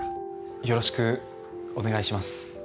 よろしくお願いします。